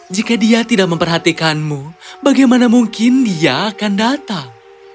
jika dia tidak memperhatikanmu bagaimana mungkin dia akan datang